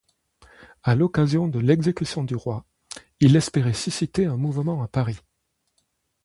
À l'occasion de l'exécution du roi, il espérait susciter un mouvement à Paris.